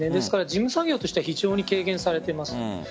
事務作業としては非常に軽減されています。